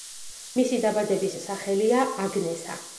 მისი დაბადების სახელია აგნესა.